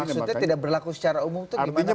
maksudnya tidak berlaku secara umum itu gimana pak